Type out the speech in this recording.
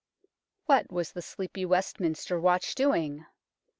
What was the sleepy Westminster watch doing